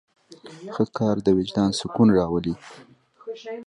ښه کار د وجدان سکون راولي.